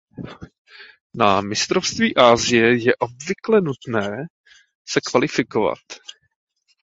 Na mistrovství Asie je obvykle nutné se kvalifikovat.